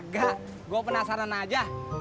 gak gue penasaran aja